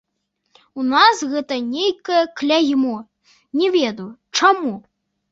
У нас гэта нейкае кляймо, не ведаю, чаму.